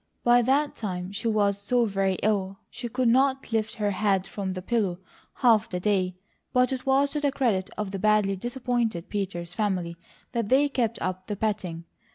By that time she was so very ill, she could not lift her head from the pillow half the day, but it was to the credit of the badly disappointed Peters family that they kept up the petting.